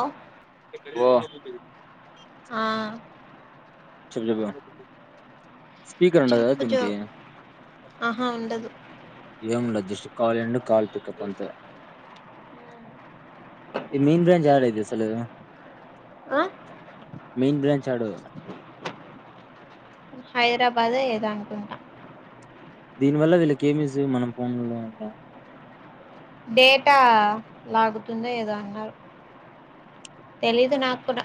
Hello ఓ ఆ చెప్ చెప్ప స్పీకర్ ఉండ కదా చెప్పు జో దీనికి ఆహా ఉండదు ఏముండదు జస్ట్ కల్ అండ్ కాల్ పికప్ అంతే ఈ మెయిన్ బ్రాంచ్ యడా ఇది అసలు ఆ మెయిన్ బ్రాంచ్ యాడో హైదరాబాద్ ఏదానుకుంట దీని వల్ల వీళ్ళకి ఏమి యూస్ మనం పోన్లో అంట డేటా లాగుతుందో ఏదో అన్నారు తెలీదు నాకుడా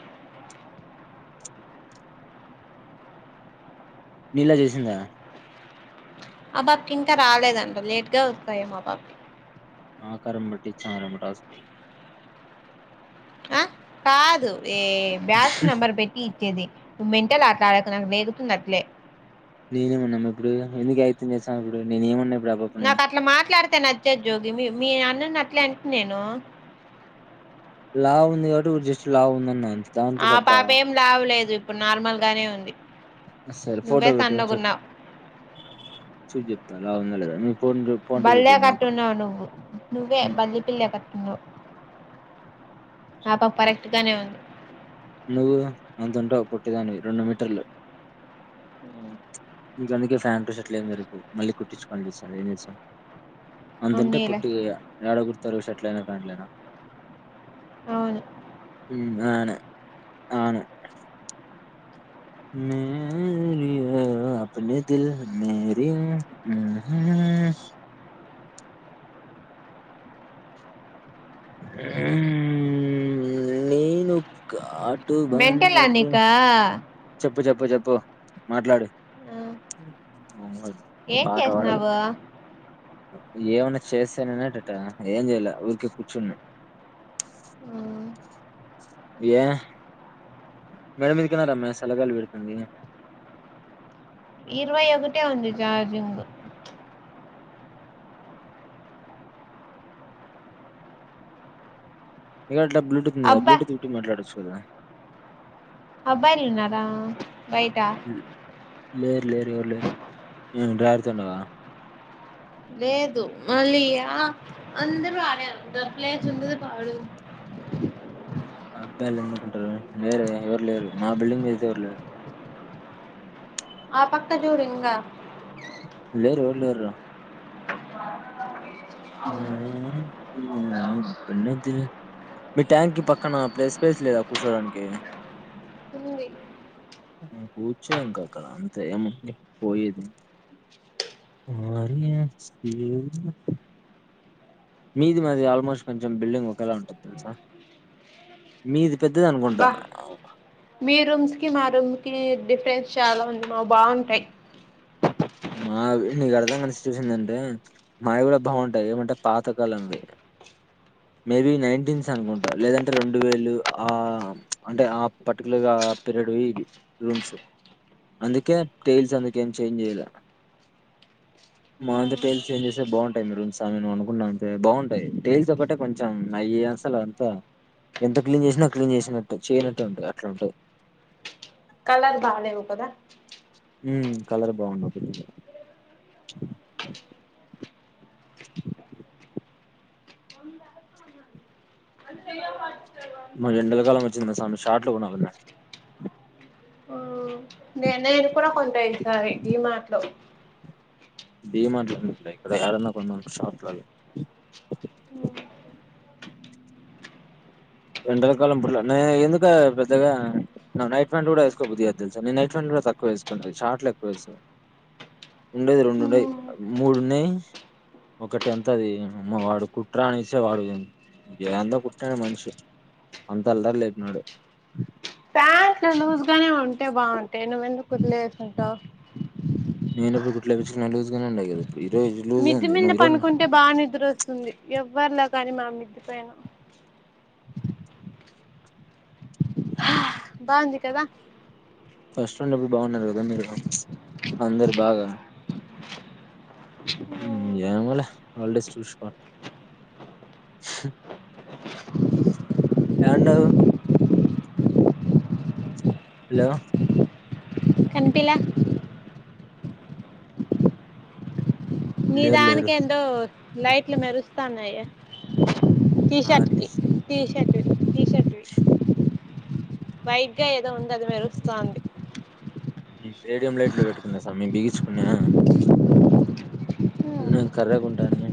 నీలా చేసిందా ఆ పాపకి ఇంకా రాలేదంట లేట్గా వస్తాయం మా బాబకి ఆ కరంబటి చారమటస్ ఆ కాదు ఏ బ్యాచ్ నంబర్ పెట్టి ఇచ్చేది మెంటలాట ఆడకు నాకు రేగుతుంది అట్లే నేనేమన్నాను ఇప్పుడు ఎందుకు అయత్తం చేసాం ఇప్పుడు నేను ఏమన్నా ఇప్పుడు ఆ పాపని నాకు అట్లా మాట్లాడితే నచ్చదు జోగి మీ మీ అన్నను అట్లే అంట నేను లావు ఉంది కాబట్టి జస్ట్ లావు ఉందని అన్ ఆ పాప ఏం లావు లేదు ఇప్పుడు నార్మల్ గానే ఉంది సరే ఫోటో నువ్వే పెట్టు సన్నగా చెప్- ఉన్నావు చూసి చెప్తా లావు వుంద లేదా అని బిల్లా కట్టున్నావు నువ్వు నువ్వే ఉమ్, బల్లి పిల్ల కట్టున్నావు ఆ పాప కరెక్ట్ గానే ఉంది నువ్వు అంతంటా పొట్టిదాని రెండు మీటర్లు ఉ ఇంక అందుకే ప్యాంట్ షర్ట్లు ఏరిపు మళ్ళీ కుట్టించుకోని చేస్తాను ఏం చేసాం అంతుంటే ఉన్నీలే పొట్టిగాయ యాడ గుర్ తరుషట్లనా ప్యాంట్లైన అవును అను అవును మేరియ అభనిదల్ మేరియు ఉహు ఊ నేను కాద్ మెంటలా నీకు చెప్పు చెప్పు చెప్పు మాట్లాడు ఉ ఏం చేసినావు ఏమన్నా చేస్తేనేన ఎటట ఏం చేయలే ఊరికే కూర్చున్నా ఆ, ఏ మేడం మీ ఇదికనా రమ్యా సలగాలు విడుతుంది ఇరవై ఒకటే ఉంది జార్జింగ్ ఇక్కడ ఇంట్లో బ్లూటూత్ ఉంది కదా అబ్బా బ్లూటూత్ తో మాట్లాడచ్చు కదా అబ్బాయిలు ఉన్నారా బయట లే లేరు ఎవరు లేరు ఏం డ్రాయర్ తో ఉన్నావా లేదు మళ్ళీయా అందరూ ఆడారు దప్పలేసి ఉన్నది పాడు అబ్బాయిలు ఎందుకుంటారు లేేరు ఎవరు లేరు మా బిల్డింగ్ మీదతే ఎవరు లేరు ఆ పక్క జూరు ఇంగా లేరు లరు రా ఉమ్ ఉ ఉమ్ అప్పుడ మీ ట్యాంక్ పక్కన ప్లేస్ ప్లేస్ లేదా కూర్చోడానికి ఉంది కూర్చో ఇంకా అక్కడ అంతే ఏమ పోయేది మరి మరియాస్ లెవు మీది మాది ఆల్మోస్ట్ కొంచెం బిల్డింగ్ ఒకేలా ఉంటది తెలుసా మీది పెద్దది అనుకుంటా బా మీరుమ్స్కి మాారుమ్ కి డిఫరెన్స్ చాలా ఉంది మా బాగుంటాయి మా నీకు అర్థం కనేసి చూసిందింటే మావి కూడా బాగుంటాయి ఏమంటే పాతకాలంవి మేబి నైన్టీన్స్ అనుకుంటా లేదంటే రెండు వేలు ఆ అంటే ఆ పర్టికులర్ పీరియడ్ ఇ రూమ్స్ అందుకే టైల్స్ అందుకేం చేంజ్ చేయాల మాంత టైల్స్ చేంజ్ చేస్తే బాగుంటాయి మీ రూమ్స్ అనుకుంట అే బాగుంటాయి టైల్స్ ఒకటే కొంచెం నయ్యి అసలు అంతా ఎంత క్లీన్ చేసినా క్లీన్ చేసినట్టు చేయనట్టు ఉంటాయి అట్లా ఉంటాయి కలర్ బాాలవ కదా ఉమ్ కలర్ బగుండవు బిల్డింగ్‌లా మరి ఎండాలా కాలం వచ్చింది సార్ షార్ట్ లో కొనాలిదా మి అన్నయలాకి కూడా కొంటాయింది సార్ ఇది మాటలో డి మార్ట్ ఇక్కడ ఎదన్నా కొ షట్లా రెండల కాలం పట్ నేను ఎందుక పెద్దగా నైట్ ఫ్యాంట్ కూడా వేసుకో బుదిగాదు తెలుసా నేను నైట్ పెయాంట్ కూడా తక్కువ వేసుకోది షాట్లు ఎక్కువ వేసు ఉండేది రెండుండయి మూడున్నాయి ఒకటి అంత అది వాడు కుట్ర అని ఇచ్చే వాడు ఎంతో కుట్టనే మనిషి అంత అలరు లేపన్నాడు నే ఉంటే బాగుంటాే ను్వెందు కుద్లేస్తుంటా నేనప్పుడు కుట్లు ఎపిచుకునా లుజగా ఉండయి కదా ఇప్పుడు ఈ రోజు లూజ్ ఉంది మిదిమిల్ద నువ్వు ఈ రోజు పనుకుంటే బాగా నిద్ర వస్తుంది వ్వర్లో కానీ మామ్మిదిపోయానా బగుంది కదా ఫస్టండ్ లో బాగున్నారు కదా మీరు అందరు బాగా ఉమ్ ఎమో హాలిడేస్ చూసుకోండి ఎక్కడ ఉండావ్ హలో విన్పిలా నీ లేరు లేరు దానికి ఎంతో లైట్లు మెరుస్తున్నయ్ నా దానికి టీషర్ట్కి టూడు వైట్ గా ఏదో ఉంద అది మెరుస్తోంది ఉమ్ మేడియం లైట్ పెట్టుకున్నా సామీ బిగించుకున్నా నేను కర్రెగుంటాను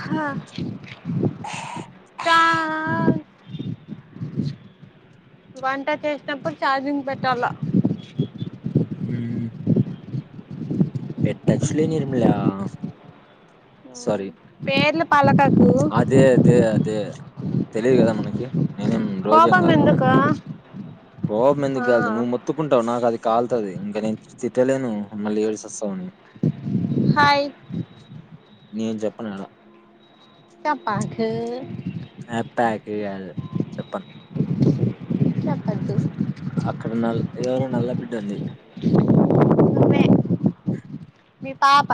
హా చాగు వంట చేసినప్పుడు ఛార్జింగ్ పెట్టాల మ్మ్ హ్మ్ పెట్టస్లే నిర్మల సారీ పేర్ల అదే అదే అదే తెలీదు కదా మనకి నేనేం రోజు ఎం కోపం కాదు కదా ఎందుకు కోప ఎందుకు ఆ కాదుదు నువ్వు మొత్తుకుంటావు నాకు అది కాల్తుది ఇంకా నేను తిట్టలేను మళ్ళీ ఏడిసి సస్తావని హాయ్ నేను చెప్పను చెప్పకు చెపకు కాదు చెప్పను చెప్పద్దు అక్కడ ఎవరో నల్ల బిడ్డ ఉంది నువ్వే మీ పాప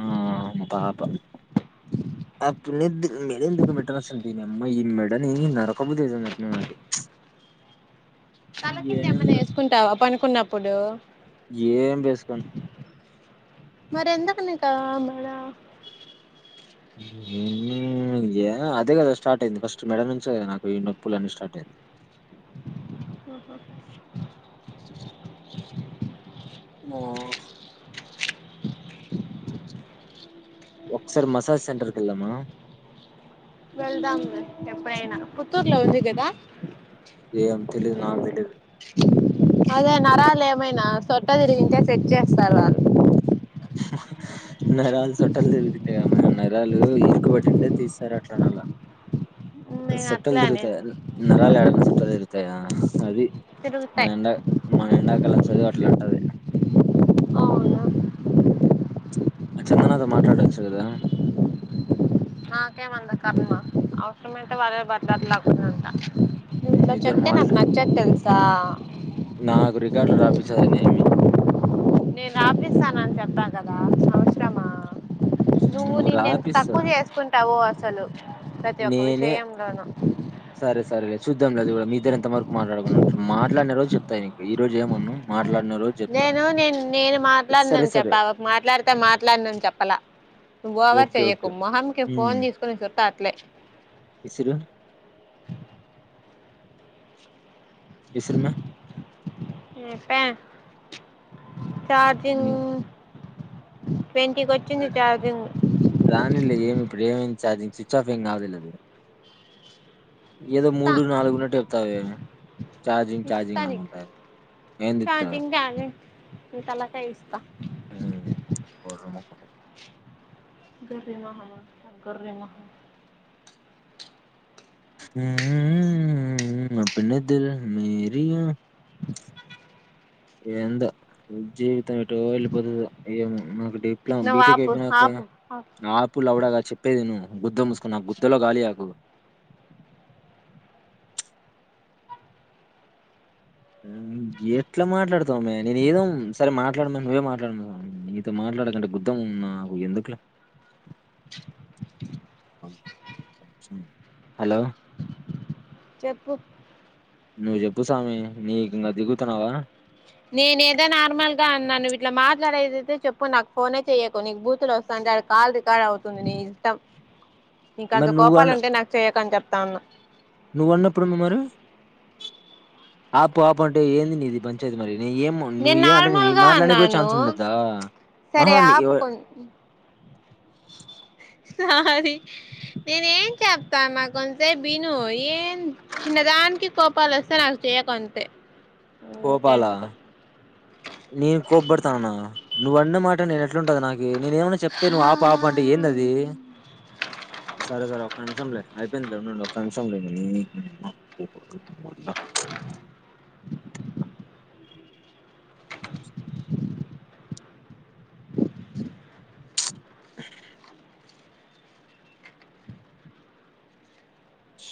ఆ పాప ఆ పి ఎందుకు మేడెందుకు దీని అమ్మ మెడని నరకబుద్ది అయితాంది నాకి తల కింద ఏ వేసుకుంటావా పనుకున్నప్పుడు సం మరి ఎందుకు మన యై అదే కదా స్టార్ట్ అయింది ఫస్ట మెడ నుంచి కదా నాకు ఈ నొప్పులు అన్నీ స్టార్ట్ అయింది హూ హూ మై ఒకసారి మసాజ్ సెంటర్కి వెళ్దామా వెళ్దాం ఎప్పుడైనా పుత్తూర్ల ఉంది కదా ఏం తెలీదు. నాకు తెలీదు. అదే నరాలు ఏమైనా చొట్ట తిరిగింతె సెట్ చేస్తారు వాలు నరలు చొట్టలు తిరుగు తుంటే నరాలు ఇరుకుబట్టింటే తీస్తారు అట్లానలా నేను సొట్టలు అట్లే తిరుగుతాయా అనింది నరాలు ఏడన్నా సొట్టలు తిరుగుతాయా అంది మన తిరుగుతాయి ఎండా మన ఎండాకాల చదువు అట్లా ఉంటది అవునా చందనా తో మాట్లాడొచ్చు కదా నాకే అంతాకర్మా అవసరమైతే వరే బతిలాడుకుంటారు మీ ఇట్లా ఇద్దరు చెప్తే నాకు మాట్లా నచ్చదు తెలుసా త నాకు రికార్డులు రాపిస్తదేమి ఏమి ఎ సంవత్సరమా నువ్వు నిన్న ఎంత తక్కువ చేసుకుంట తవో అసలు ప్రతి ఒక్క నేనే విషయంలోనూ చూద్దాం లేదు కూడా మీద్దరు ఎంత వరకు మాట్లాడుకు ఉంటారు మాట్లాడన రోజ చెప్తాయి మీకు ఈ రోజ ఏమన్నాను మాట నేను నేను నేను సరే మాట్లాడినను సరే చెప్ప మాట్లాడితే మాట్లాడినను చెప్పాల నువ్వు బఓవర్ ఓకే చెయ్యకు ఓకే. మొహంకి ఫోన్ తీసుకుొని చ తత్లే ఇస్ర ఇస్రమ ప్పా చార్జింగ్ హ్మ్. ట్వంటికి వచ్చింది చార్జింగ్ చార్జింగ్ స్విచ్ ఆఫ్ ఎంగ్నా ఆవదులేదు ఏదో ఇస్తా మూడు నాలుగున్నట్టు చెప్తావ చార్జింగ్ ఇస్తా చార్జింగ్ నీకు అనుకుంట ఏం తిస్తావ మీ తలా కాయ ఇస్త పో మాకు ీ మహ శంకర రీమహ [unintelligible] ఎంత జీవిత ట్టు ఎటో వెళ్ళిపోతాడో ఏమో నువ్వు ఆపు ఆపు ఆపు మాకు ! ! ! ! ! ! ! ! ! ! ! ! ! ! ! ! ! ! ! ! ! ! ! ! ! ! ! ! ! ! ఎట్లా మాట్లాడుతు ! ! ! ! ! ! ! ! ! ! చెప్పు నువ్వు చెప్పు స్వామి నీ ఇంకా దిగు తున్నావా నేను ఏదో నార్మల్గా అన్నాను వీట్లా మాట్లాడేదియితే చెప్పు నాకు ఫోనే చెయ్యకు నీకు బూతులో వస్తాంటే అ కాల్ రికార్డ్ అవుతుంది నీ ఇష్టం ఇంకంత మరి కోపాలు అంటే నాకు చేయ్యకని చెప్ప తన నువ్వు అన్నప్పుడుంది మరి ఆపు ఆపు అంటే ఏందిని ఇది పంచాయతీ మరి న ఏం నువ్వు నేను ఏ అంటే న నార్మల్ గా మాట్లాడ కూడా అన్నాను ఛాన్స్ ఉండదా సరే ఆహా ఆపు కొం సా నేను చెప్తామా కొంతే బను ఏన్ దానికి కోపాలు వస్తే నాకు చెయ కొంత కోపాల నీన్ కోప్బర్తాననా నువ్ అన్న మాట న ంటది నాకు నేను ఏమన్నా చెప్తే నువ్వు ఆ హా పాప అంటే ఏంది అది సరే సరే ఒక్క నిమిషంలే ఆఐపోన్ లోను లో కాంగ్సంగ్ లే శ